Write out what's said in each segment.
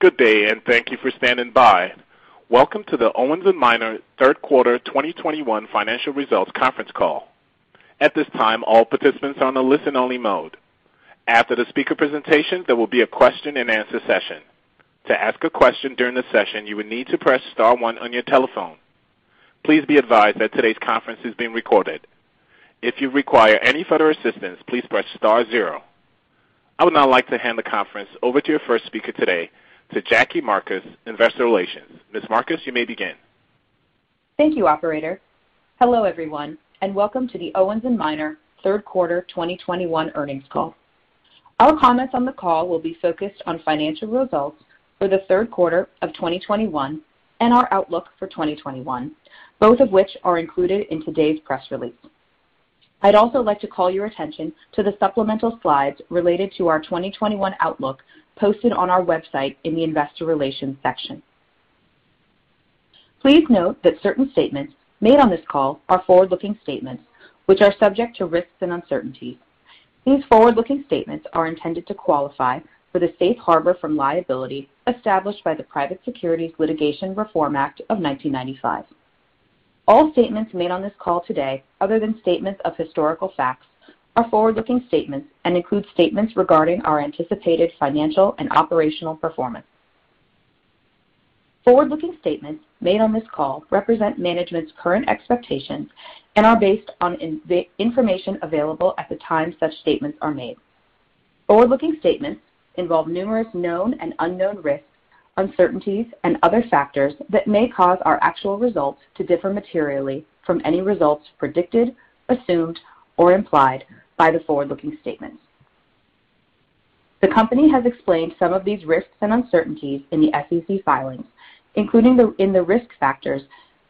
Good day, and thank you for standing by. Welcome to the Owens & Minor Third Quarter 2021 Financial Results Conference Call. At this time, all participants are on a listen-only mode. After the speaker presentation, there will be a question-and-answer session. To ask a question during the session, you would need to press star one on your telephone. Please be advised that today's conference is being recorded. If you require any further assistance, please press star zero. I would now like to hand the conference over to your first speaker today, to Jackie Marcus, Investor Relations. Ms. Marcus, you may begin. Thank you, operator. Hello, everyone, and welcome to the Owens & Minor Third Quarter 2021 Earnings Call. Our comments on the call will be focused on financial results for the third quarter of 2021 and our outlook for 2021, both of which are included in today's press release. I'd also like to call your attention to the supplemental slides related to our 2021 outlook posted on our website in the Investor Relations section. Please note that certain statements made on this call are forward-looking statements which are subject to risks and uncertainties. These forward-looking statements are intended to qualify for the safe harbor from liability established by the Private Securities Litigation Reform Act of 1995. All statements made on this call today, other than statements of historical facts, are forward-looking statements and include statements regarding our anticipated financial and operational performance. Forward-looking statements made on this call represent management's current expectations and are based on the information available at the time such statements are made. Forward-looking statements involve numerous known and unknown risks, uncertainties and other factors that may cause our actual results to differ materially from any results predicted, assumed, or implied by the forward-looking statements. The company has explained some of these risks and uncertainties in the SEC filings, including in the Risk Factors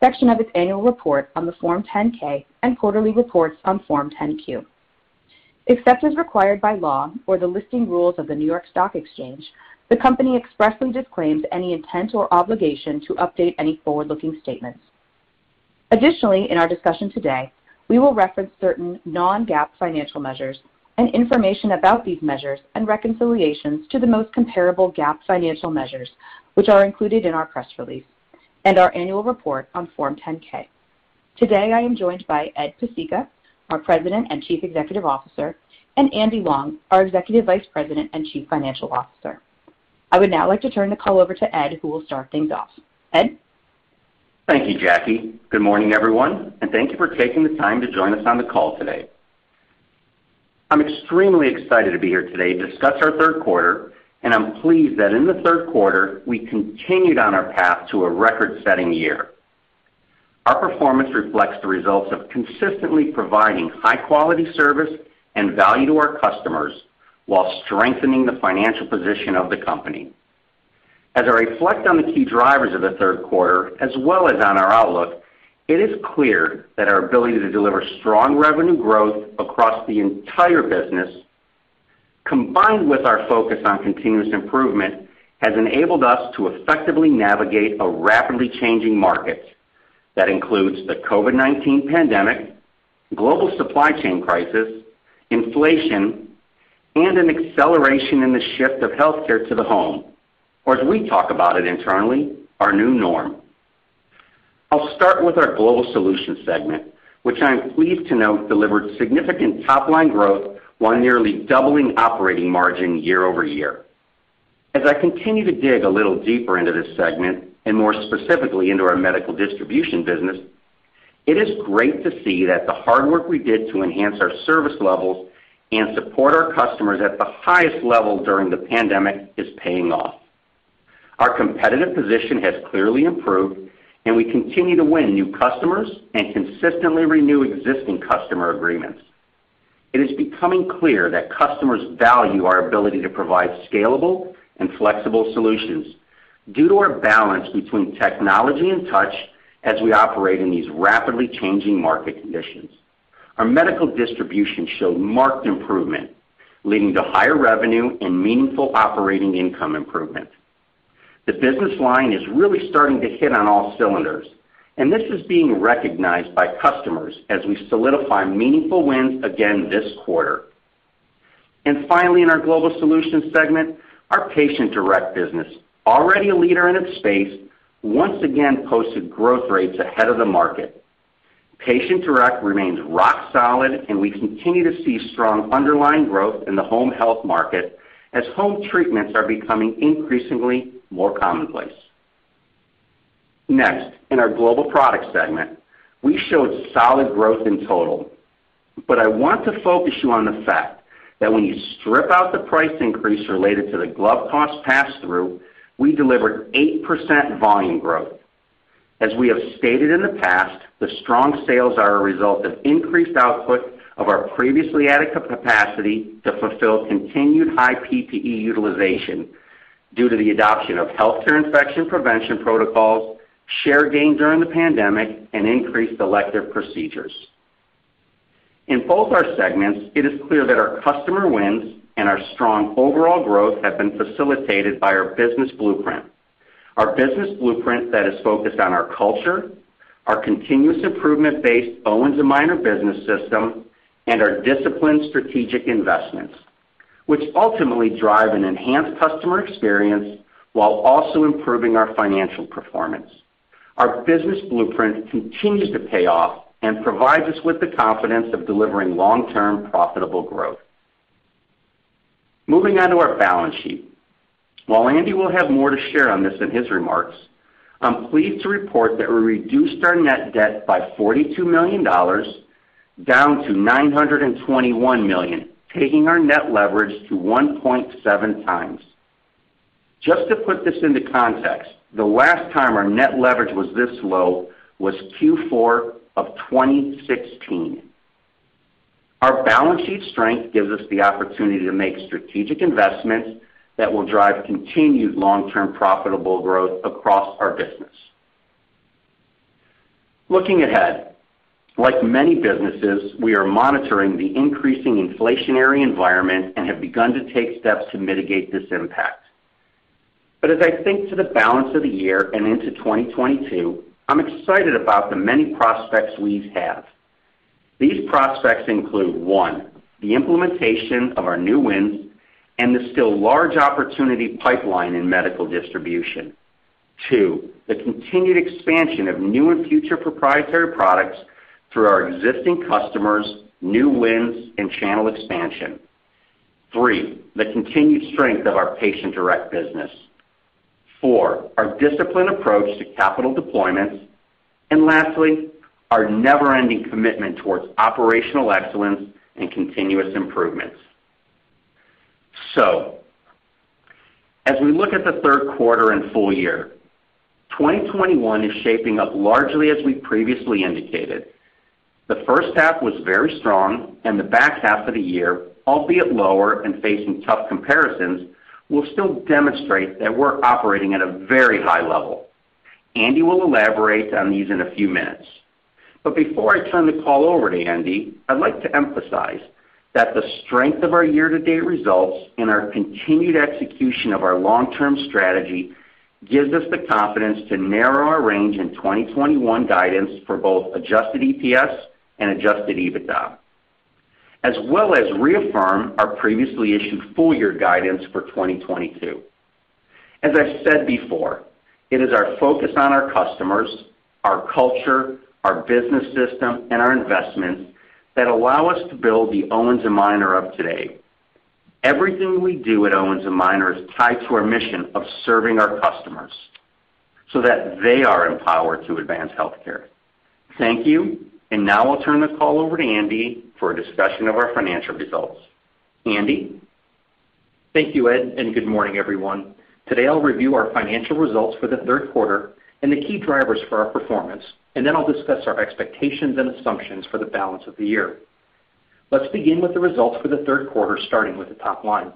section of its annual report on the Form 10-K and quarterly reports on Form 10-Q. Except as required by law or the listing rules of the New York Stock Exchange, the company expressly disclaims any intent or obligation to update any forward-looking statements. Additionally, in our discussion today, we will reference certain non-GAAP financial measures and information about these measures and reconciliations to the most comparable GAAP financial measures, which are included in our press release and our annual report on Form 10-K. Today, I am joined by Ed Pesicka, our President and Chief Executive Officer, and Andy Long, our Executive Vice President and Chief Financial Officer. I would now like to turn the call over to Ed, who will start things off. Ed? Thank you, Jackie. Good morning, everyone, and thank you for taking the time to join us on the call today. I'm extremely excited to be here today to discuss our third quarter, and I'm pleased that in the third quarter we continued on our path to a record-setting year. Our performance reflects the results of consistently providing high-quality service and value to our customers while strengthening the financial position of the company. As I reflect on the key drivers of the third quarter as well as on our outlook, it is clear that our ability to deliver strong revenue growth across the entire business, combined with our focus on continuous improvement, has enabled us to effectively navigate a rapidly changing market that includes the COVID-19 pandemic, global supply chain crisis, inflation, and an acceleration in the shift of healthcare to the home, or as we talk about it internally, our new norm. I'll start with our Global Solutions segment, which I am pleased to note delivered significant top-line growth while nearly doubling operating margin year-over-year. As I continue to dig a little deeper into this segment, and more specifically into our medical distribution business, it is great to see that the hard work we did to enhance our service levels and support our customers at the highest level during the pandemic is paying off. Our competitive position has clearly improved, and we continue to win new customers and consistently renew existing customer agreements. It is becoming clear that customers value our ability to provide scalable and flexible solutions due to our balance between technology and touch as we operate in these rapidly changing market conditions. Our medical distribution showed marked improvement, leading to higher revenue and meaningful operating income improvement. The business line is really starting to hit on all cylinders, and this is being recognized by customers as we solidify meaningful wins again this quarter. Finally, in our Global Solutions segment, our Patient Direct business, already a leader in its space, once again posted growth rates ahead of the market. Patient Direct remains rock solid, and we continue to see strong underlying growth in the home health market as home treatments are becoming increasingly more commonplace. Next, in our Global Products segment, we showed solid growth in total. I want to focus you on the fact that when you strip out the price increase related to the glove cost pass-through, we delivered 8% volume growth. As we have stated in the past, the strong sales are a result of increased output of our previously adequate capacity to fulfill continued high PPE utilization due to the adoption of healthcare infection prevention protocols, share gain during the pandemic, and increased elective procedures. In both our segments, it is clear that our customer wins and our strong overall growth have been facilitated by our business blueprint. Our business blueprint that is focused on our culture, our continuous improvement-based Owens & Minor business system, and our disciplined strategic investments, which ultimately drive an enhanced customer experience while also improving our financial performance. Our business blueprint continues to pay off and provides us with the confidence of delivering long-term profitable growth. Moving on to our balance sheet. While Andy will have more to share on this in his remarks, I'm pleased to report that we reduced our net debt by $42 million, down to $921 million, taking our net leverage to 1.7x. Just to put this into context, the last time our net leverage was this low was Q4 of 2016. Our balance sheet strength gives us the opportunity to make strategic investments that will drive continued long-term profitable growth across our business. Looking ahead, like many businesses, we are monitoring the increasing inflationary environment and have begun to take steps to mitigate this impact. As I think to the balance of the year and into 2022, I'm excited about the many prospects we have. These prospects include one, the implementation of our new wins and the still large opportunity pipeline in medical distribution. Two, the continued expansion of new and future proprietary products through our existing customers, new wins, and channel expansion. Three, the continued strength of our Patient Direct business. Four, our disciplined approach to capital deployments. Lastly, our never-ending commitment towards operational excellence and continuous improvements. As we look at the third quarter and full year, 2021 is shaping up largely as we previously indicated. The first half was very strong, and the back half of the year, albeit lower and facing tough comparisons, will still demonstrate that we're operating at a very high level. Andy will elaborate on these in a few minutes. Before I turn the call over to Andy, I'd like to emphasize that the strength of our year-to-date results and our continued execution of our long-term strategy gives us the confidence to narrow our range in 2021 guidance for both adjusted EPS and adjusted EBITDA, as well as reaffirm our previously issued full-year guidance for 2022. As I've said before, it is our focus on our customers, our culture, our business system, and our investments that allow us to build the Owens & Minor of today. Everything we do at Owens & Minor is tied to our mission of serving our customers so that they are empowered to advance healthcare. Thank you. Now I'll turn the call over to Andy for a discussion of our financial results. Andy? Thank you, Ed, and good morning, everyone. Today, I'll review our financial results for the third quarter and the key drivers for our performance, and then I'll discuss our expectations and assumptions for the balance of the year. Let's begin with the results for the third quarter, starting with the top line.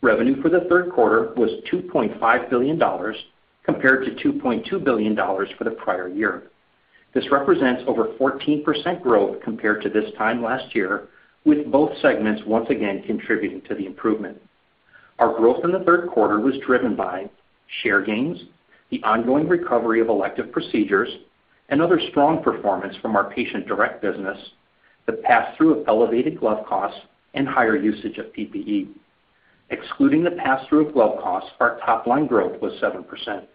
Revenue for the third quarter was $2.5 billion compared to $2.2 billion for the prior year. This represents over 14% growth compared to this time last year, with both segments once again contributing to the improvement. Our growth in the third quarter was driven by share gains, the ongoing recovery of elective procedures, and other strong performance from our Patient Direct business, the pass-through of elevated glove costs, and higher usage of PPE. Excluding the pass-through of glove costs, our top-line growth was 7%.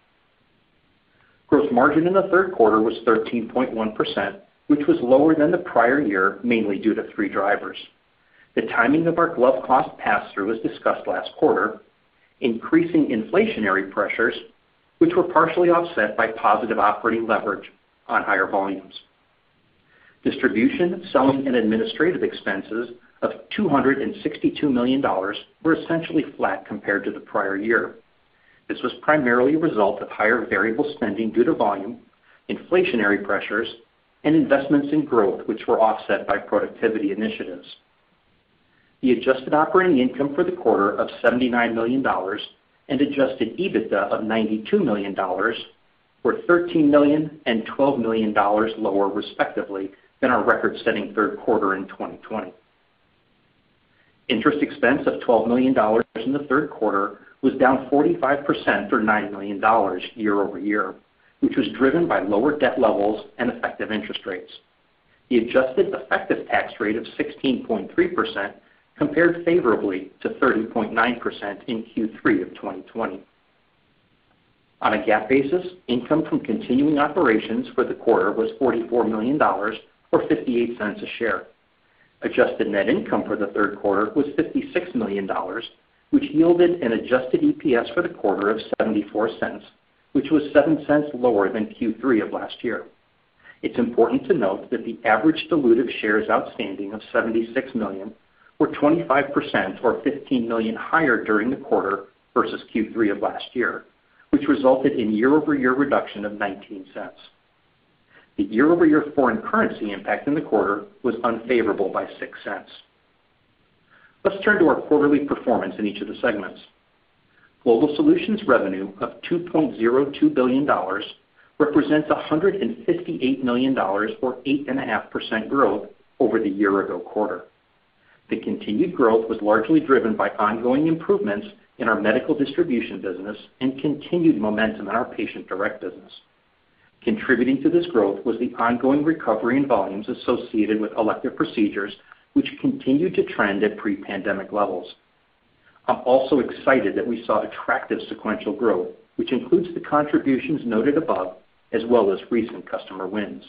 Gross margin in the third quarter was 13.1%, which was lower than the prior year, mainly due to three drivers, the timing of our glove cost pass-through, as discussed last quarter, increasing inflationary pressures, which were partially offset by positive operating leverage on higher volumes. Distribution, selling, and administrative expenses of $262 million were essentially flat compared to the prior year. This was primarily a result of higher variable spending due to volume, inflationary pressures, and investments in growth, which were offset by productivity initiatives. The adjusted operating income for the quarter of $79 million and adjusted EBITDA of $92 million were $13 million and $12 million lower, respectively, than our record-setting third quarter in 2020. Interest expense of $12 million in the third quarter was down 45% or $9 million year-over-year, which was driven by lower debt levels and effective interest rates. The adjusted effective tax rate of 16.3% compared favorably to 30.9% in Q3 of 2020. On a GAAP basis, income from continuing operations for the quarter was $44 million or $0.58 a share. Adjusted net income for the third quarter was $56 million, which yielded an adjusted EPS for the quarter of $0.74, which was $0.07 lower than Q3 of last year. It's important to note that the average dilutive shares outstanding of $76 million were 25% or $15 million higher during the quarter versus Q3 of last year, which resulted in year-over-year reduction of $0.19. The year-over-year foreign currency impact in the quarter was unfavorable by $0.06. Let's turn to our quarterly performance in each of the segments. Global Solutions revenue of $2.02 billion represents $158 million or 8.5% growth over the year-ago quarter. The continued growth was largely driven by ongoing improvements in our medical distribution business and continued momentum in our Patient Direct business. Contributing to this growth was the ongoing recovery in volumes associated with elective procedures, which continued to trend at pre-pandemic levels. I'm also excited that we saw attractive sequential growth, which includes the contributions noted above, as well as recent customer wins.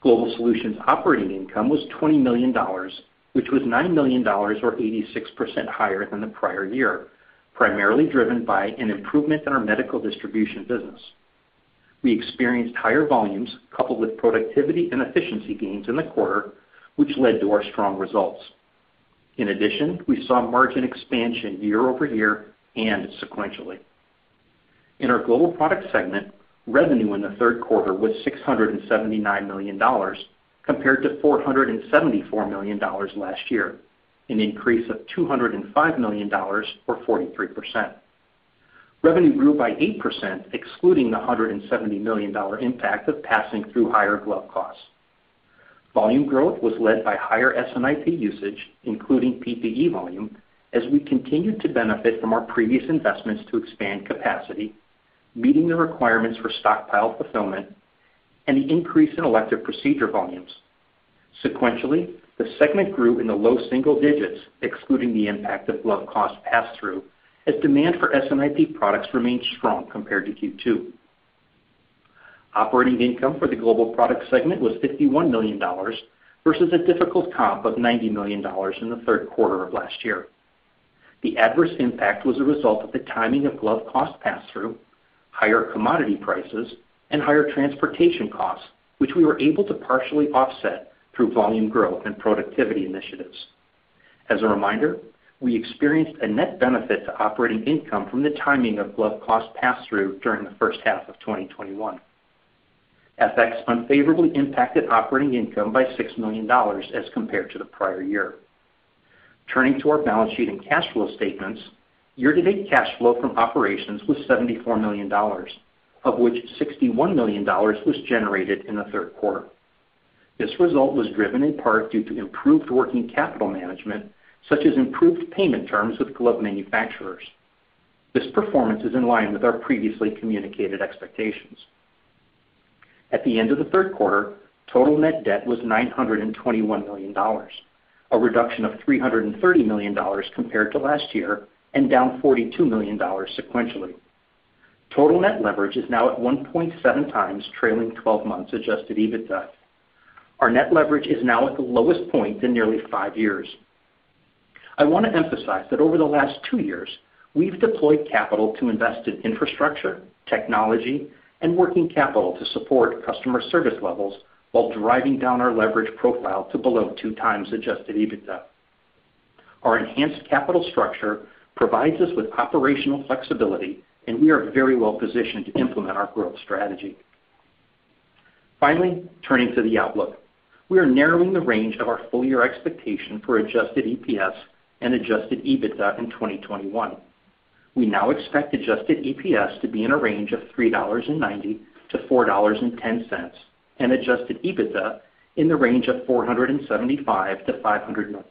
Global Solutions' operating income was $20 million, which was $9 million or 86% higher than the prior year, primarily driven by an improvement in our medical distribution business. We experienced higher volumes coupled with productivity and efficiency gains in the quarter, which led to our strong results. In addition, we saw margin expansion year-over-year and sequentially. In our Global Products segment, revenue in the third quarter was $679 million compared to $474 million last year, an increase of $205 million or 43%. Revenue grew by 8%, excluding the $170 million impact of passing through higher glove costs. Volume growth was led by higher S&IP usage, including PPE volume, as we continued to benefit from our previous investments to expand capacity, meeting the requirements for stockpile fulfillment and the increase in elective procedure volumes. Sequentially, the segment grew in the low single digits, excluding the impact of glove cost pass-through, as demand for S&IP products remained strong compared to Q2. Operating income for the Global Product segment was $51 million versus a difficult comp of $90 million in the third quarter of last year. The adverse impact was a result of the timing of glove cost pass-through, higher commodity prices and higher transportation costs, which we were able to partially offset through volume growth and productivity initiatives. As a reminder, we experienced a net benefit to operating income from the timing of glove cost pass-through during the first half of 2021. FX unfavorably impacted operating income by $6 million as compared to the prior year. Turning to our balance sheet and cash flow statements, year-to-date cash flow from operations was $74 million, of which $61 million was generated in the third quarter. This result was driven in part due to improved working capital management, such as improved payment terms with glove manufacturers. This performance is in line with our previously communicated expectations. At the end of the third quarter, total net debt was $921 million, a reduction of $330 million compared to last year and down $42 million sequentially. Total net leverage is now at 1.7x trailing twelve months adjusted EBITDA. Our net leverage is now at the lowest point in nearly five years. I wanna emphasize that over the last two years, we've deployed capital to invest in infrastructure, technology and working capital to support customer service levels while driving down our leverage profile to below 2x adjusted EBITDA. Our enhanced capital structure provides us with operational flexibility, and we are very well-positioned to implement our growth strategy. Finally, turning to the outlook. We are narrowing the range of our full-year expectation for adjusted EPS and adjusted EBITDA in 2021. We now expect adjusted EPS to be in a range of $3.90-$4.10, and adjusted EBITDA in the range of $475 million-$500 million.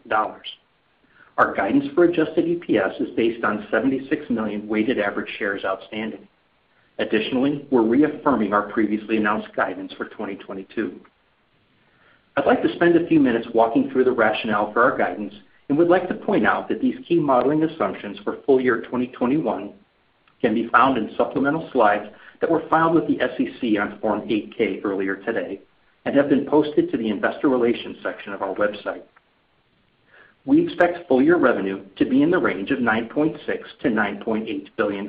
Our guidance for adjusted EPS is based on 76 million weighted average shares outstanding. Additionally, we're reaffirming our previously announced guidance for 2022. I'd like to spend a few minutes walking through the rationale for our guidance, and we'd like to point out that these key modeling assumptions for full year 2021 can be found in supplemental slides that were filed with the SEC on Form 8-K earlier today and have been posted to the Investor Relations section of our website. We expect full-year revenue to be in the range of $9.6 billion-$9.8 billion.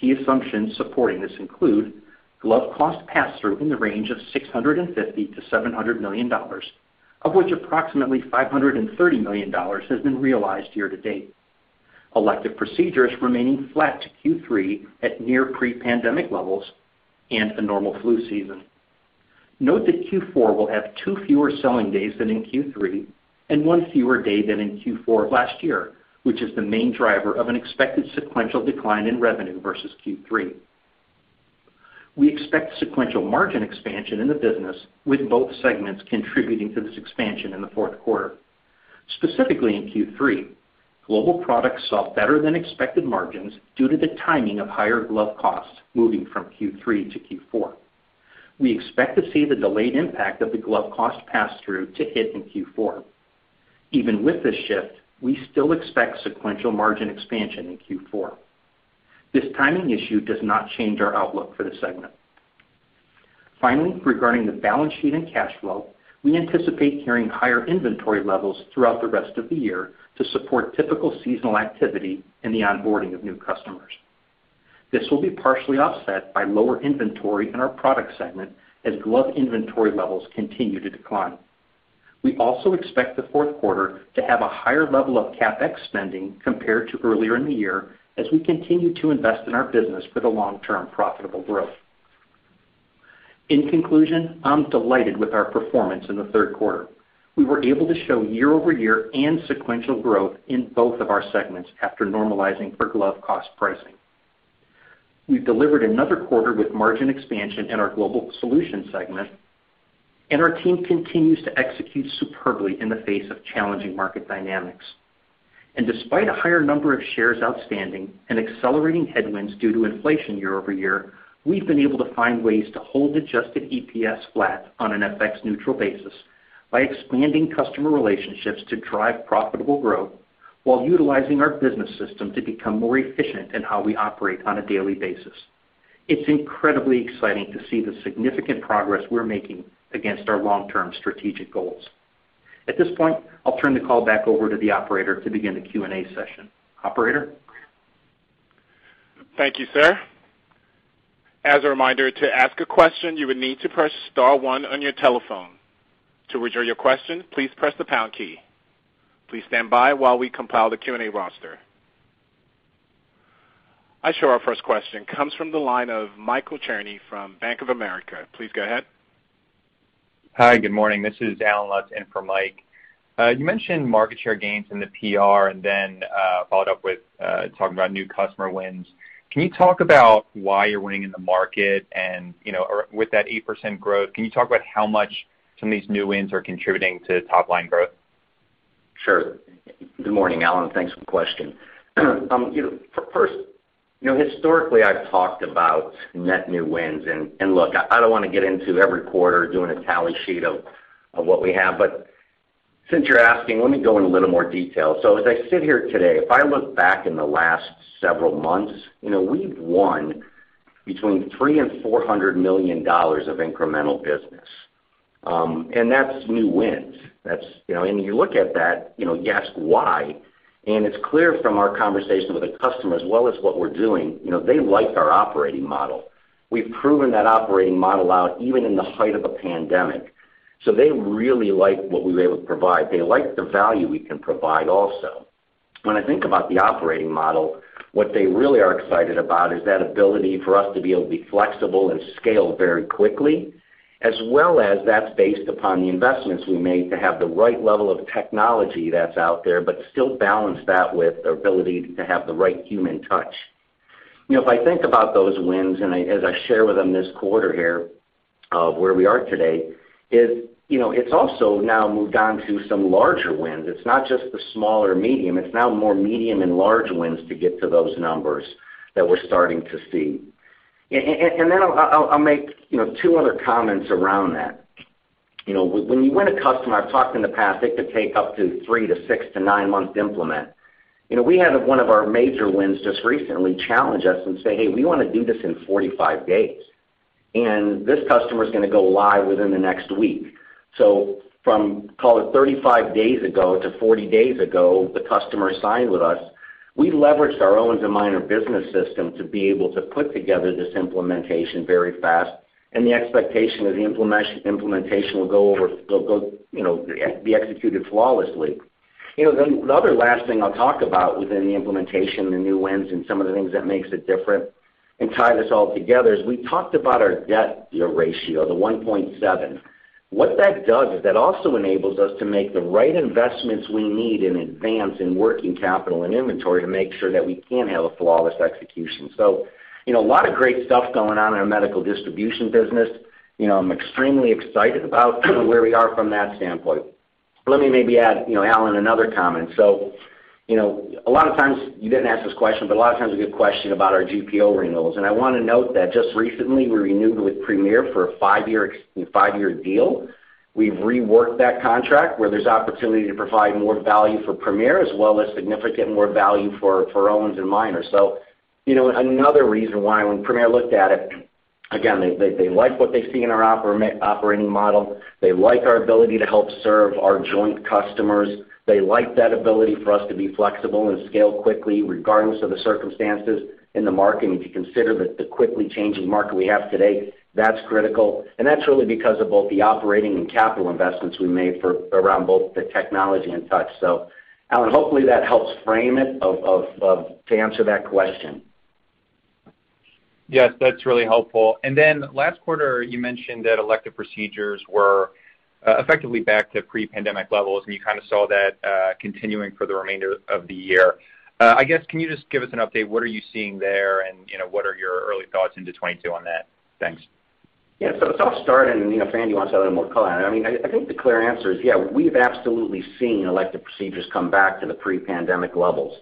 Key assumptions supporting this include glove cost pass-through in the range of $650 million-$700 million, of which approximately $530 million has been realized year-to-date, elective procedures remaining flat to Q3 at near pre-pandemic levels and a normal flu season. Note that Q4 will have two fewer selling days than in Q3 and one fewer day than in Q4 of last year, which is the main driver of an expected sequential decline in revenue versus Q3. We expect sequential margin expansion in the business, with both segments contributing to this expansion in the fourth quarter. Specifically in Q3, Global Products saw better than expected margins due to the timing of higher glove costs moving from Q3 to Q4. We expect to see the delayed impact of the glove cost pass-through to hit in Q4. Even with this shift, we still expect sequential margin expansion in Q4. This timing issue does not change our outlook for the segment. Finally, regarding the balance sheet and cash flow, we anticipate carrying higher inventory levels throughout the rest of the year to support typical seasonal activity and the onboarding of new customers. This will be partially offset by lower inventory in our product segment as glove inventory levels continue to decline. We also expect the fourth quarter to have a higher level of CapEx spending compared to earlier in the year as we continue to invest in our business for the long-term profitable growth. In conclusion, I'm delighted with our performance in the third quarter. We were able to show year-over-year and sequential growth in both of our segments after normalizing for glove cost pricing. We've delivered another quarter with margin expansion in our Global Solutions segment, and our team continues to execute superbly in the face of challenging market dynamics. Despite a higher number of shares outstanding and accelerating headwinds due to inflation year-over-year, we've been able to find ways to hold adjusted EPS flat on an FX-neutral basis by expanding customer relationships to drive profitable growth while utilizing our business system to become more efficient in how we operate on a daily basis. It's incredibly exciting to see the significant progress we're making against our long-term strategic goals. At this point, I'll turn the call back over to the operator to begin the Q&A session. Operator? Thank you, sir. As a reminder, to ask a question, you would need to press star one on your telephone. To withdraw your question, please press the pound key. Please stand by while we compile the Q&A roster. I show our first question comes from the line of Michael Cherny from Bank of America. Please go ahead. Hi, good morning. This is Allen Lutz in for Mike. You mentioned market share gains in the PR and then followed up with talking about new customer wins. Can you talk about why you're winning in the market and, you know, or with that 8% growth, can you talk about how much some of these new wins are contributing to top-line growth? Sure. Good morning, Allen. Thanks for the question. You know, first, you know, historically, I've talked about net new wins, and look, I don't wanna get into every quarter doing a tally sheet of what we have, but since you're asking, let me go in a little more detail. As I sit here today, if I look back in the last several months, you know, we've won between $300 million-$400 million of incremental business. And that's new wins. That's, you know, and you look at that, you know, you ask why, and it's clear from our conversation with the customer as well as what we're doing, you know, they like our operating model. We've proven that operating model out even in the height of a pandemic, so they really like what we were able to provide. They like the value we can provide also. When I think about the operating model, what they really are excited about is that ability for us to be able to be flexible and scale very quickly, as well as that's based upon the investments we made to have the right level of technology that's out there, but still balance that with the ability to have the right human touch. You know, if I think about those wins, as I share with them this quarter here of where we are today, is, you know, it's also now moved on to some larger wins. It's not just the small or medium, it's now more medium and large wins to get to those numbers that we're starting to see. Then I'll make, you know, two other comments around that. You know, when you win a customer, I've talked in the past, it could take up to three to six to nine months to implement. You know, we had one of our major wins just recently challenge us and say, "Hey, we wanna do this in 45 days." This customer's gonna go live within the next week. From, call it 35 days ago to 40 days ago, the customer signed with us. We leveraged our Owens & Minor business system to be able to put together this implementation very fast, and the expectation is the implementation will go, you know, be executed flawlessly. You know, the other last thing I'll talk about within the implementation, the new wins, and some of the things that makes it different and tie this all together is we talked about our debt ratio, the 1.7. What that does is that also enables us to make the right investments we need in advance in working capital and inventory to make sure that we can have a flawless execution. You know, a lot of great stuff going on in our medical distribution business. You know, I'm extremely excited about where we are from that standpoint. Let me maybe add, you know, Allen, another comment. You know, a lot of times, you didn't ask this question, but a lot of times we get questioned about our GPO renewals, and I wanna note that just recently, we renewed with Premier for a five-year deal. We've reworked that contract where there's opportunity to provide more value for Premier as well as significant more value for Owens & Minor. You know, another reason why when Premier looked at it, again, they like what they see in our operating model. They like our ability to help serve our joint customers. They like that ability for us to be flexible and scale quickly regardless of the circumstances in the market. If you consider the quickly changing market we have today, that's critical. That's really because of both the operating and capital investments we made in and around both the technology and touch. Allen hopefully, that helps frame how to answer that question. Yes, that's really helpful. Last quarter, you mentioned that elective procedures were effectively back to pre-pandemic levels, and you kind of saw that continuing for the remainder of the year. I guess, can you just give us an update, what are you seeing there and, you know, what are your early thoughts into 2022 on that? Thanks. Yeah, I'll start, you know, if Andy wants to add any more color. I mean, I think the clear answer is, yeah, we've absolutely seen elective procedures come back to the pre-pandemic levels.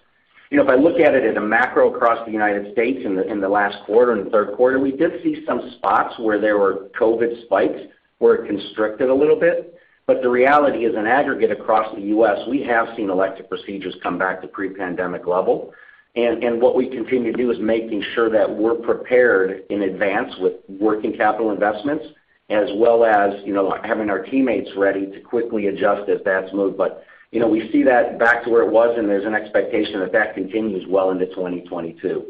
You know, if I look at it in a macro across the United States in the last quarter, in the third quarter, we did see some spots where there were COVID spikes where it constricted a little bit. The reality is, in aggregate across the U.S., we have seen elective procedures come back to pre-pandemic level. What we continue to do is making sure that we're prepared in advance with working capital investments as well as, you know, having our teammates ready to quickly adjust as that's moved. You know, we see that back to where it was, and there's an expectation that that continues well into 2022.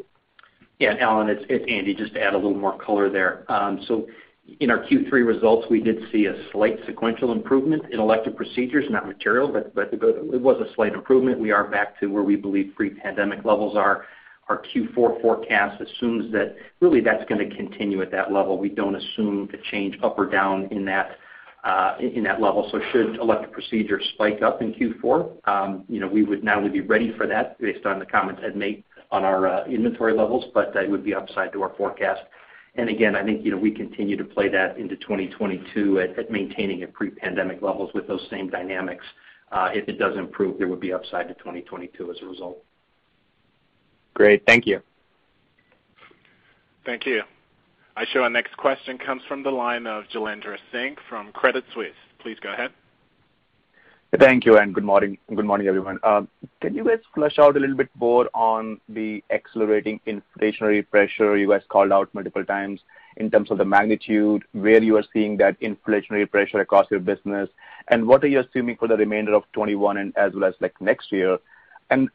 Yeah, Allen, it's Andy, just to add a little more color there. So in our Q3 results, we did see a slight sequential improvement in elective procedures, not material, but it was a slight improvement. We are back to where we believe pre-pandemic levels are. Our Q4 forecast assumes that really that's gonna continue at that level. We don't assume a change up or down in that. In that level. Should elective procedures spike up in Q4, you know, we would now be ready for that based on the comments Ed made on our inventory levels, but that would be upside to our forecast. Again, I think, you know, we continue to play that into 2022 maintaining at pre-pandemic levels with those same dynamics. If it does improve, there would be upside to 2022 as a result. Great. Thank you. Thank you. Our next question comes from the line of Jailendra Singh from Credit Suisse. Please go ahead. Thank you, and good morning. Good morning, everyone. Can you guys flesh out a little bit more on the accelerating inflationary pressure you guys called out multiple times in terms of the magnitude, where you are seeing that inflationary pressure across your business, and what are you assuming for the remainder of 2021 and as well as like next year?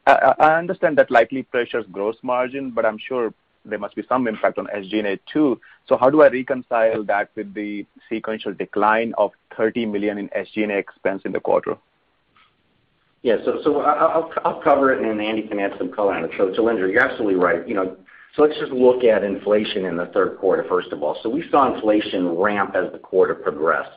I understand that likely pressures gross margin, but I'm sure there must be some impact on SG&A too. How do I reconcile that with the sequential decline of $30 million in SG&A expense in the quarter? Yeah. I'll cover it, and then Andy can add some color on it. Jailendra, you're absolutely right. You know, let's just look at inflation in the third quarter, first of all. We saw inflation ramp as the quarter progressed.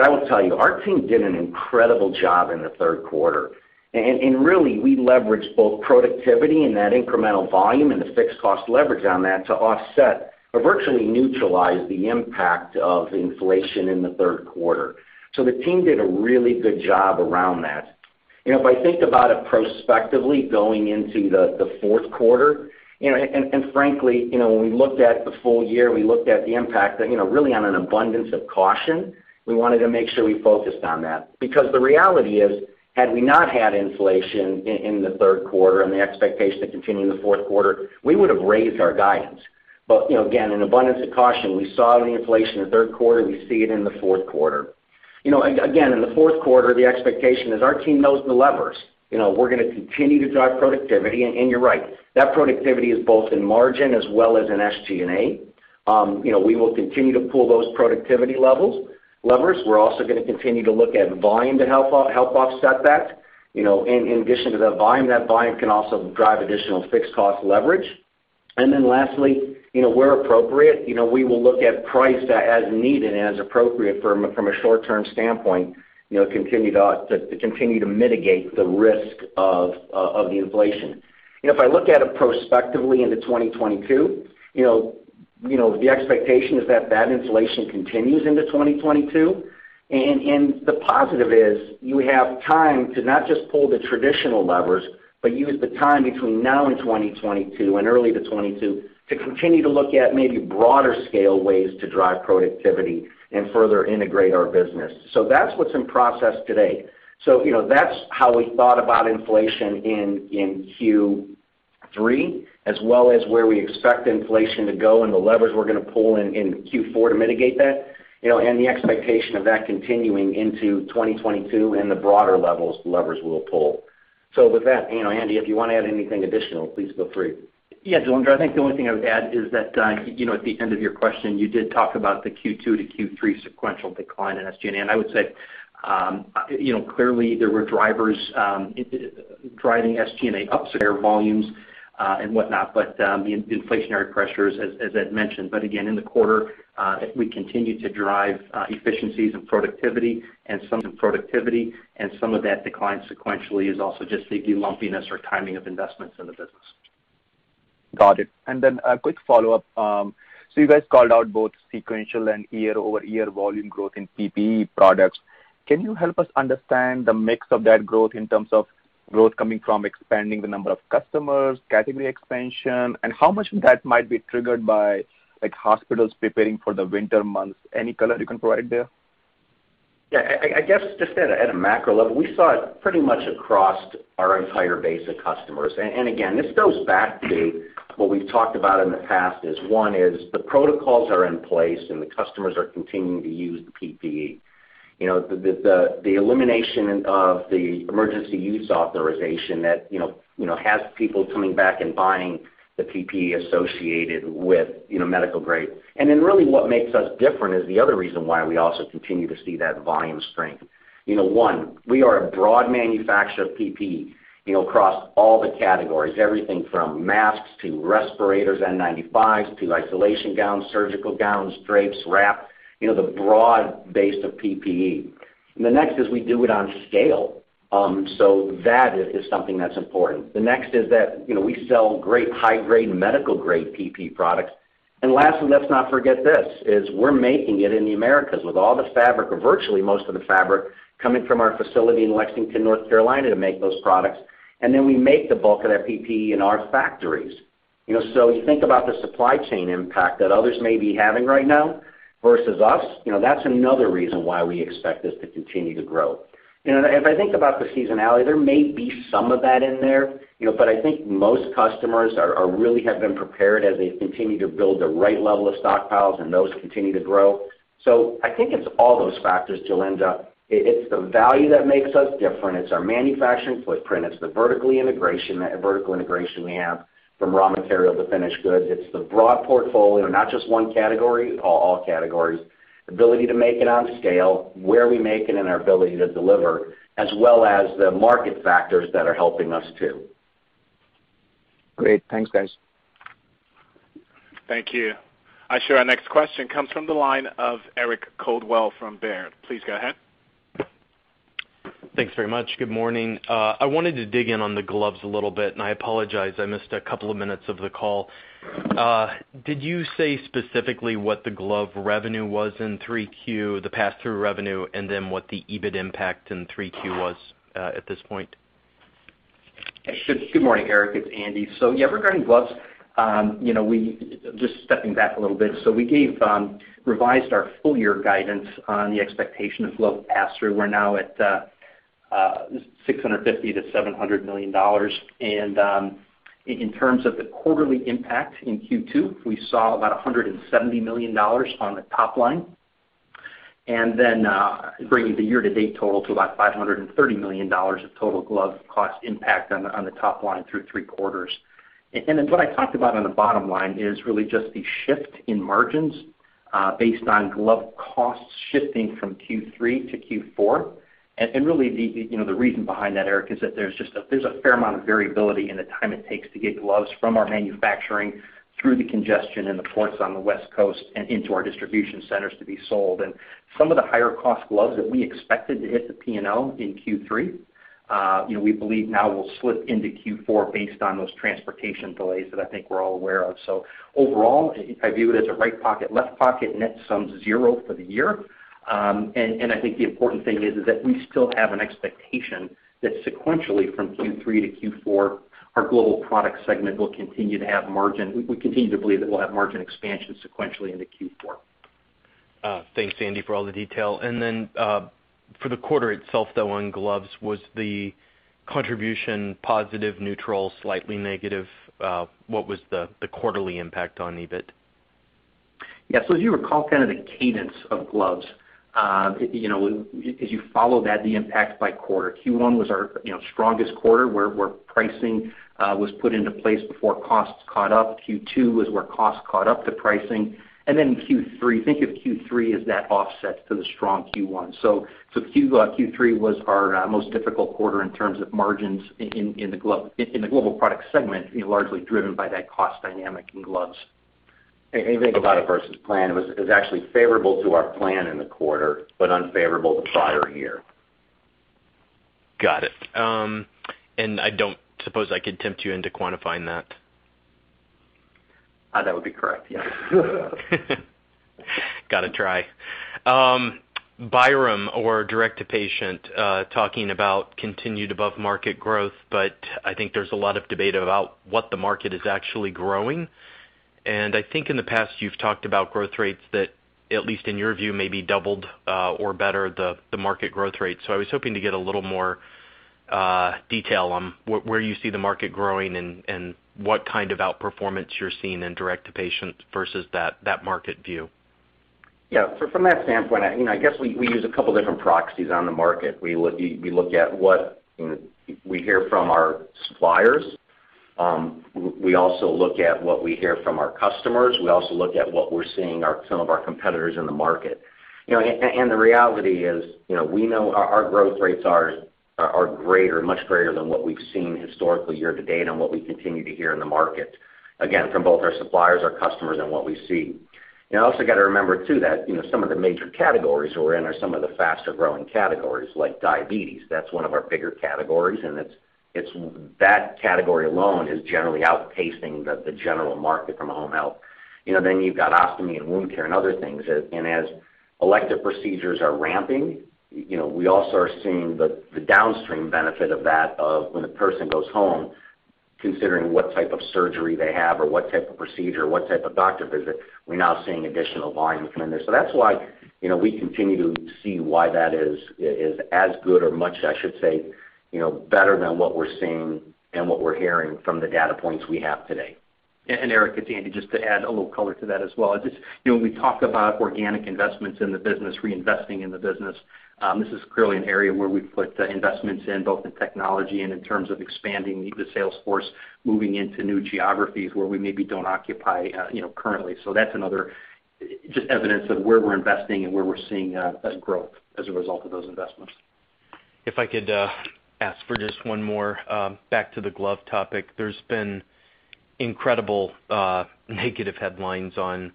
I will tell you, our team did an incredible job in the third quarter. Really, we leveraged both productivity and that incremental volume and the fixed cost leverage on that to offset or virtually neutralize the impact of inflation in the third quarter. The team did a really good job around that. You know, if I think about it prospectively going into the fourth quarter, you know, and frankly, you know, when we looked at the full year, we looked at the impact, you know, really on an abundance of caution, we wanted to make sure we focused on that. Because the reality is, had we not had inflation in the third quarter and the expectation to continue in the fourth quarter, we would have raised our guidance. You know, again, an abundance of caution. We saw the inflation in the third quarter, we see it in the fourth quarter. You know, again, in the fourth quarter, the expectation is our team knows the levers. You know, we're gonna continue to drive productivity. You're right, that productivity is both in margin as well as in SG&A. You know, we will continue to pull those productivity levers. We're also gonna continue to look at volume to help offset that. You know, in addition to the volume, that volume can also drive additional fixed cost leverage. Then lastly, you know, where appropriate, you know, we will look at price as needed and as appropriate from a short-term standpoint, you know, continue to mitigate the risk of the inflation. You know, if I look at it prospectively into 2022, you know, the expectation is that inflation continues into 2022. The positive is you have time to not just pull the traditional levers, but use the time between now and 2022 and early 2022 to continue to look at maybe broader scale ways to drive productivity and further integrate our business. That's what's in process today. You know, that's how we thought about inflation in Q3, as well as where we expect inflation to go and the levers we're gonna pull in Q4 to mitigate that, you know, and the expectation of that continuing into 2022 and the broader levers we'll pull. With that, you know, Andy, if you wanna add anything additional, please feel free. Yeah, Jailendra, I think the only thing I would add is that, you know, at the end of your question, you did talk about the Q2 to Q3 sequential decline in SG&A, and I would say, you know, clearly there were drivers driving SG&A up, so there were volumes and whatnot, but the inflationary pressures as Ed mentioned. Again, in the quarter, we continue to drive efficiencies and productivity, and some of that decline sequentially is also just the lumpiness or timing of investments in the business. Got it. A quick follow-up. You guys called out both sequential and year-over-year volume growth in PPE products. Can you help us understand the mix of that growth in terms of growth coming from expanding the number of customers, category expansion, and how much of that might be triggered by like hospitals preparing for the winter months? Any color you can provide there? Yeah. I guess just at a macro level, we saw it pretty much across our entire base of customers. Again, this goes back to what we've talked about in the past is one is the protocols are in place, and the customers are continuing to use the PPE. You know, the elimination of the emergency use authorization that you know has people coming back and buying the PPE associated with you know medical grade. Then really what makes us different is the other reason why we also continue to see that volume strength. You know, one, we are a broad manufacturer of PPE you know across all the categories, everything from masks to respirators, N95s to isolation gowns, surgical gowns, drapes, wrap you know the broad base of PPE. The next is we do it on scale, so that is something that's important. The next is that, you know, we sell great high-grade medical-grade PPE products. Lastly, let's not forget this, is we're making it in the Americas with all the fabric or virtually most of the fabric coming from our facility in Lexington, North Carolina, to make those products. Then we make the bulk of that PPE in our factories. You know, you think about the supply chain impact that others may be having right now versus us, you know, that's another reason why we expect this to continue to grow. You know, if I think about the seasonality, there may be some of that in there, you know, but I think most customers are really have been prepared as they continue to build the right level of stockpiles, and those continue to grow. I think it's all those factors, Jailendra. It's the value that makes us different. It's our manufacturing footprint. It's the vertical integration we have from raw material to finished goods. It's the broad portfolio, not just one category, all categories. Ability to make it on scale, where we make it, and our ability to deliver, as well as the market factors that are helping us too. Great. Thanks, guys. Thank you. I show our next question comes from the line of Eric Coldwell from Baird. Please go ahead. Thanks very much. Good morning. I wanted to dig in on the gloves a little bit, and I apologize, I missed a couple of minutes of the call. Did you say specifically what the glove revenue was in 3Q, the pass-through revenue, and then what the EBIT impact in 3Q was, at this point? Good morning, Eric. It's Andy. Yeah, regarding gloves, you know, just stepping back a little bit. We gave revised our full-year guidance on the expectation of glove pass-through. We're now at $650 million-$700 million. In terms of the quarterly impact in Q2, we saw about $170 million on the top line, and then bringing the year-to-date total to about $530 million of total glove cost impact on the top line through three quarters. And then what I talked about on the bottom line is really just the shift in margins based on glove costs shifting from Q3 to Q4. Really, you know, the reason behind that, Eric, is that there's a fair amount of variability in the time it takes to get gloves from our manufacturing through the congestion in the ports on the West Coast and into our distribution centers to be sold. Some of the higher cost gloves that we expected to hit the P&L in Q3, you know, we believe now will slip into Q4 based on those transportation delays that I think we're all aware of. Overall, I view it as a right pocket, left pocket, net sum zero for the year. I think the important thing is that we still have an expectation that sequentially from Q3 to Q4, our global product segment will continue to have margin. We continue to believe that we'll have margin expansion sequentially into Q4. Thanks, Andy, for all the detail. For the quarter itself, though, on gloves, was the contribution positive, neutral, slightly negative? What was the quarterly impact on EBIT? Yeah. As you recall, kind of the cadence of gloves, you know, as you follow that, the impact by quarter, Q1 was our, you know, strongest quarter, where pricing was put into place before costs caught up. Q2 was where costs caught up to pricing. Q3, think of Q3 as that offset to the strong Q1. Q3 was our most difficult quarter in terms of margins in the Global Products segment, you know, largely driven by that cost dynamic in gloves. If you think about it versus plan, it was actually favorable to our plan in the quarter, but unfavorable the prior year. Got it. I don't suppose I could tempt you into quantifying that? That would be correct. Yeah. Gotta try. Byram or direct-to-patient talking about continued above-market growth, but I think there's a lot of debate about what the market is actually growing. I think in the past, you've talked about growth rates that, at least in your view, may be double or better than the market growth rate. I was hoping to get a little more detail on where you see the market growing and what kind of outperformance you're seeing in direct-to-patient versus that market view. From that standpoint, you know, I guess we use a couple different proxies on the market. We look at what, you know, we hear from our suppliers. We also look at what we hear from our customers. We also look at what we're seeing some of our competitors in the market. You know, and the reality is, you know, we know our growth rates are greater, much greater than what we've seen historically year-to-date on what we continue to hear in the market, again, from both our suppliers, our customers, and what we see. You know, also got to remember, too, that, you know, some of the major categories we're in are some of the faster growing categories like diabetes. That's one of our bigger categories, and it's that category alone is generally outpacing the general market from home health. You know, then you've got ostomy and wound care and other things. As elective procedures are ramping, you know, we also are seeing the downstream benefit of that, of when a person goes home, considering what type of surgery they have or what type of procedure, what type of doctor visit, we're now seeing additional volume come in there. That's why, you know, we continue to see why that is as good or much, I should say, you know, better than what we're seeing and what we're hearing from the data points we have today. Eric, it's Andy, just to add a little color to that as well. Just, you know, when we talk about organic investments in the business, reinvesting in the business, this is clearly an area where we've put investments in both the technology and in terms of expanding the sales force, moving into new geographies where we maybe don't occupy, you know, currently. That's another just evidence of where we're investing and where we're seeing growth as a result of those investments. If I could ask for just one more, back to the glove topic. There's been incredible negative headlines on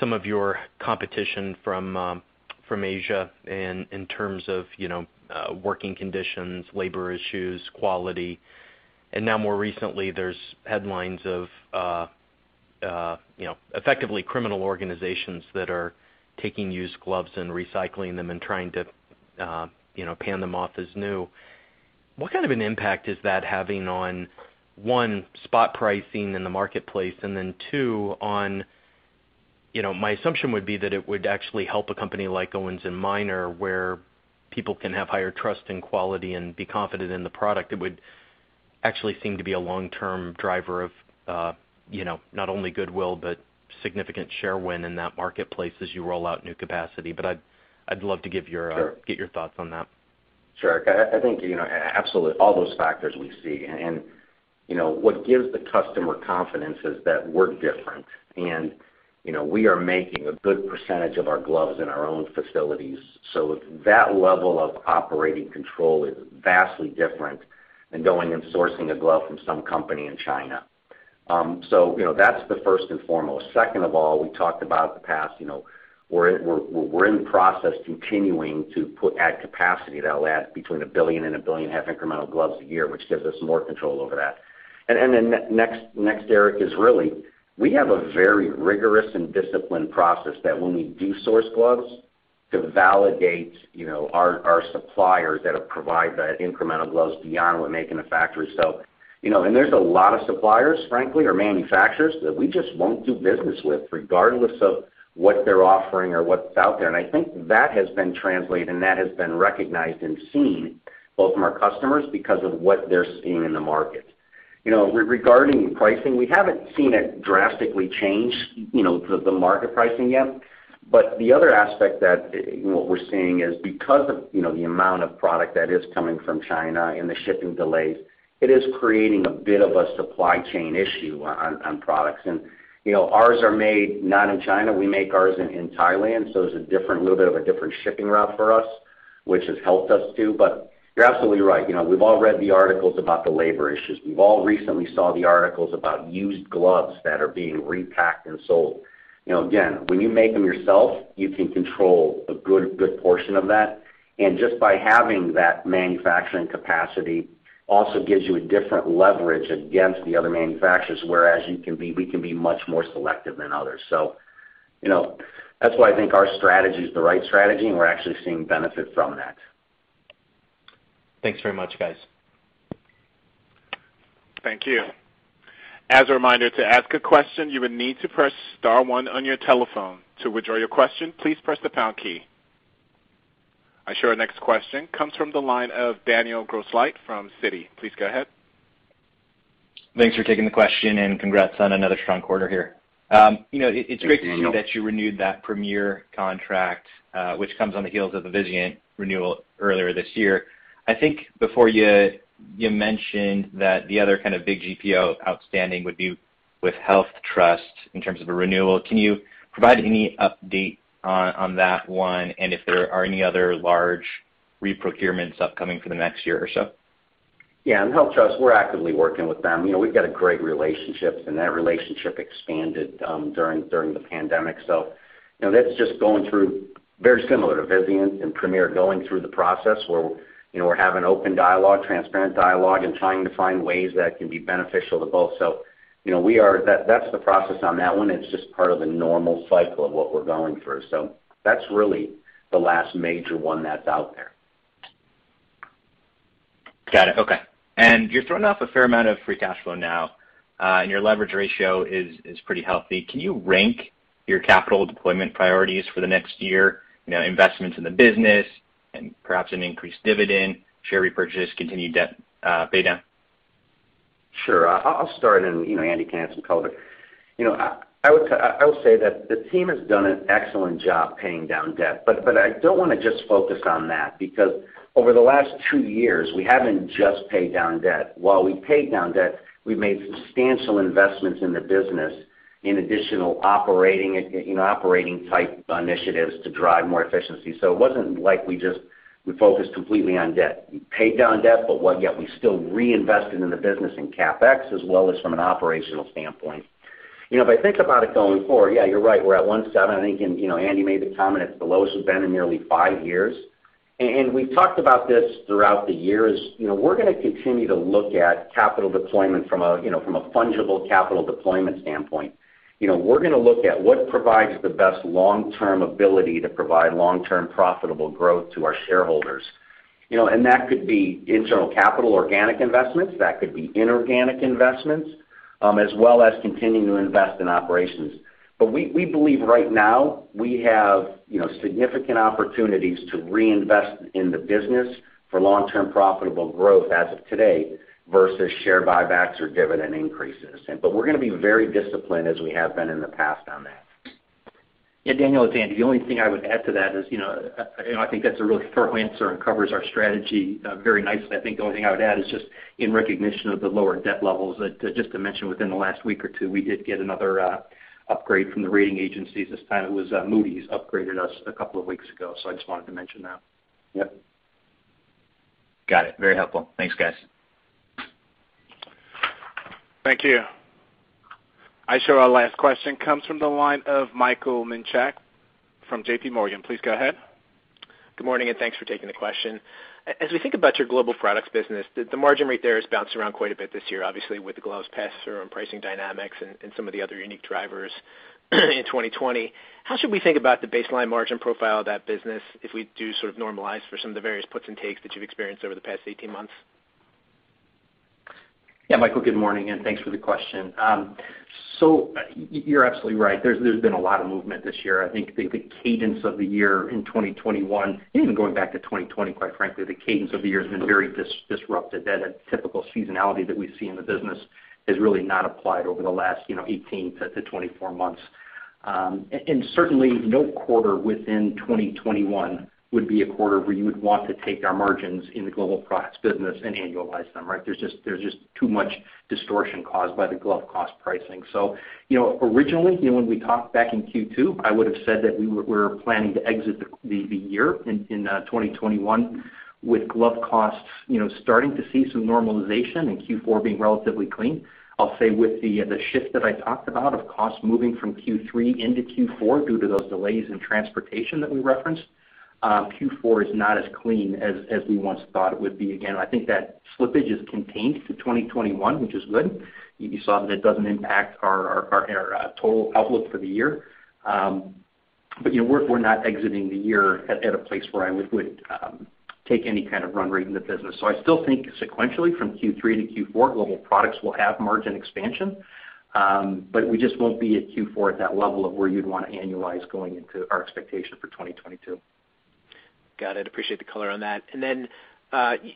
some of your competition from Asia and in terms of, you know, working conditions, labor issues, quality, and now more recently, there's headlines of, you know, effectively criminal organizations that are taking used gloves and recycling them and trying to, you know, pass them off as new. What kind of an impact is that having on, one, spot pricing in the marketplace, and then two, on, you know, my assumption would be that it would actually help a company like Owens & Minor, where people can have higher trust in quality and be confident in the product. It would actually seem to be a long-term driver of, you know, not only goodwill, but significant share win in that marketplace as you roll out new capacity. I'd love to give your. Sure. Get your thoughts on that. Sure. I think, you know, absolutely all those factors we see. You know, what gives the customer confidence is that we're different. You know, we are making a good percentage of our gloves in our own facilities. That level of operating control is vastly different than going and sourcing a glove from some company in China. You know, that's the first and foremost. Second of all, we talked about in the past, you know, we're in the process continuing to add capacity that'll add between 1 billion and 1.5 billion incremental gloves a year, which gives us more control over that. Next, Eric, we have a very rigorous and disciplined process that when we do source gloves to validate, you know, our suppliers that have provided the incremental gloves beyond what we make in the factory. You know, there's a lot of suppliers, frankly, or manufacturers that we just won't do business with regardless of what they're offering or what's out there. I think that has been translated, and that has been recognized and seen both from our customers because of what they're seeing in the market. You know, regarding pricing, we haven't seen it drastically change, you know, the market pricing yet. The other aspect that what we're seeing is because of, you know, the amount of product that is coming from China and the shipping delays, it is creating a bit of a supply chain issue on products. You know, ours are made not in China, we make ours in Thailand, so it's a little bit of a different shipping route for us, which has helped us too. You're absolutely right. You know, we've all read the articles about the labor issues. We've all recently saw the articles about used gloves that are being repacked and sold. You know, again, when you make them yourself, you can control a good portion of that. Just by having that manufacturing capacity also gives you a different leverage against the other manufacturers, whereas we can be much more selective than others. You know, that's why I think our strategy is the right strategy, and we're actually seeing benefit from that. Thanks very much, guys. Thank you. As a reminder, to ask a question, you would need to press star one on your telephone. To withdraw your question, please press the pound key. Our next question comes from the line of Daniel Grosslight from Citi. Please go ahead. Thanks for taking the question, and congrats on another strong quarter here. You know Thanks, Daniel. It's great to see that you renewed that Premier contract, which comes on the heels of the Vizient renewal earlier this year. I think before you mentioned that the other kind of big GPO outstanding would be with HealthTrust in terms of a renewal. Can you provide any update on that one, and if there are any other large reprocurements upcoming for the next year or so? Yeah, in HealthTrust, we're actively working with them. You know, we've got a great relationship, and that relationship expanded during the pandemic. You know, that's just going through very similar to Vizient and Premier going through the process where, you know, we're having open dialogue, transparent dialogue, and trying to find ways that can be beneficial to both. You know, we are. That's the process on that one. It's just part of the normal cycle of what we're going through. That's really the last major one that's out there. Got it. Okay. You're throwing off a fair amount of free cash flow now, and your leverage ratio is pretty healthy. Can you rank your capital deployment priorities for the next year, you know, investments in the business and perhaps an increased dividend, share repurchase, continued debt pay down? Sure. I'll start, and you know, Andy can add some color. You know, I would say that the team has done an excellent job paying down debt. I don't wanna just focus on that because over the last two years, we haven't just paid down debt. While we paid down debt, we made substantial investments in the business in additional operating, you know, operating-type initiatives to drive more efficiency. It wasn't like we just, we focused completely on debt. We paid down debt, but yet we still reinvested in the business in CapEx as well as from an operational standpoint. You know, if I think about it going forward, yeah, you're right. We're at 1.7, I think, and you know, Andy made the comment it's the lowest we've been in nearly five years. We've talked about this throughout the years. You know, we're gonna continue to look at capital deployment you know, from a fungible capital deployment standpoint. You know, we're gonna look at what provides the best long-term ability to provide long-term profitable growth to our shareholders. You know, that could be internal capital organic investments, that could be inorganic investments, as well as continuing to invest in operations. We believe right now we have, you know, significant opportunities to reinvest in the business for long-term profitable growth as of today versus share buybacks or dividend increases. We're gonna be very disciplined as we have been in the past on that. Yeah, Daniel, it's Andy. The only thing I would add to that is, you know, and I think that's a really thorough answer and covers our strategy, very nicely. I think the only thing I would add is just in recognition of the lower debt levels, just to mention within the last week or two, we did get another upgrade from the rating agencies. This time it was Moody's upgraded us a couple of weeks ago, so I just wanted to mention that. Yep. Got it. Very helpful. Thanks, guys. Thank you. I show our last question comes from the line of Michael Minchak from J.P. Morgan. Please go ahead. Good morning, and thanks for taking the question. As we think about your Global Products business, the margin rate there has bounced around quite a bit this year, obviously, with the gloves pass-through on pricing dynamics and some of the other unique drivers in 2020. How should we think about the baseline margin profile of that business if we do sort of normalize for some of the various puts and takes that you've experienced over the past 18 months? Yeah, Michael, good morning, and thanks for the question. So you're absolutely right. There's been a lot of movement this year. I think the cadence of the year in 2021, and even going back to 2020, quite frankly, the cadence of the year has been very disrupted. That typical seasonality that we see in the business has really not applied over the last, you know, 18 to 24 months. And certainly no quarter within 2021 would be a quarter where you would want to take our margins in the Global Products business and annualize them, right? There's just too much distortion caused by the glove cost pricing. Originally, you know, when we talked back in Q2, I would've said that we were planning to exit the year in 2021 with glove costs, you know, starting to see some normalization and Q4 being relatively clean. I'll say with the shift that I talked about of costs moving from Q3 into Q4 due to those delays in transportation that we referenced, Q4 is not as clean as we once thought it would be. Again, I think that slippage is contained to 2021, which is good. You saw that it doesn't impact our total outlook for the year. You know, we're not exiting the year at a place where I would take any kind of run rate in the business. I still think sequentially from Q3 to Q4, Global Products will have margin expansion, but we just won't be at Q4 at that level of where you'd wanna annualize going into our expectation for 2022. Got it. Appreciate the color on that.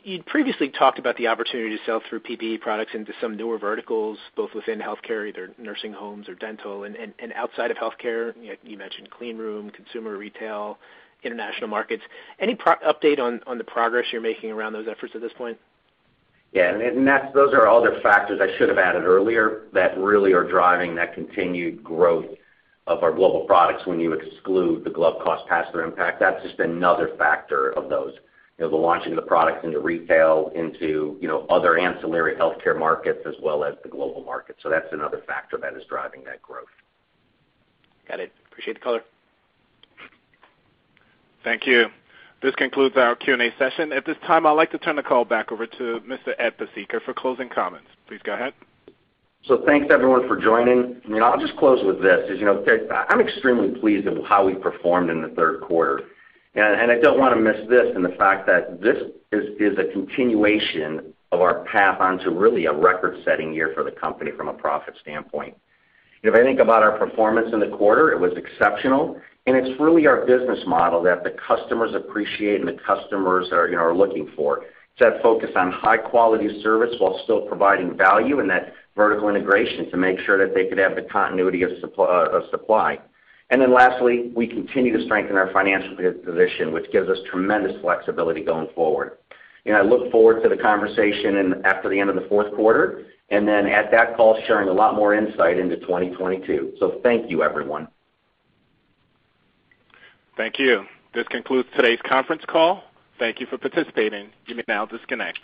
You'd previously talked about the opportunity to sell through PPE products into some newer verticals, both within healthcare, either nursing homes or dental, and outside of healthcare, you know, you mentioned clean room, consumer retail, international markets. Any update on the progress you're making around those efforts at this point? Yeah. Those are all the factors I should have added earlier that really are driving that continued growth of our Global Products when you exclude the glove cost pass-through impact. That's just another factor of those, you know, the launching of the products into retail, into, you know, other ancillary healthcare markets as well as the global market. That's another factor that is driving that growth. Got it. Appreciate the color. Thank you. This concludes our Q&A session. At this time, I'd like to turn the call back over to Mr. Ed Pesicka for closing comments. Please go ahead. Thanks everyone for joining. You know, I'll just close with this. I'm extremely pleased at how we performed in the third quarter. I don't wanna miss this and the fact that this is a continuation of our path onto really a record-setting year for the company from a profit standpoint. If I think about our performance in the quarter, it was exceptional, and it's really our business model that the customers appreciate and the customers are, you know, looking for. It's that focus on high-quality service while still providing value and that vertical integration to make sure that they could have the continuity of supply. Lastly, we continue to strengthen our financial position, which gives us tremendous flexibility going forward. You know, I look forward to the conversation in after the end of the fourth quarter, and then at that call, sharing a lot more insight into 2022. Thank you, everyone. Thank you. This concludes today's conference call. Thank you for participating. You may now disconnect.